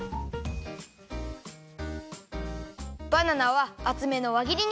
バナナはあつめのわぎりに。